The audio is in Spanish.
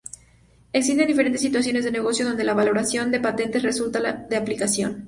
Existen diferentes situaciones de negocio donde la valoración de patentes resulta de aplicación.